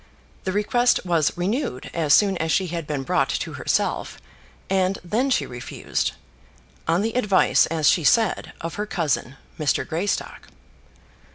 The request was renewed as soon as she had been brought to herself; and then she refused, on the advice, as she said, of her cousin, Mr. Greystock.